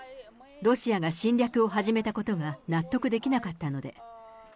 ロシアが侵略を始めたことが納得できなかったので。